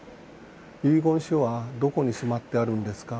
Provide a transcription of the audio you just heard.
遺言書はどこにしまってあるんですか？